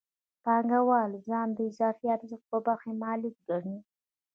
پانګوال ځان د اضافي ارزښت د برخې مالک ګڼي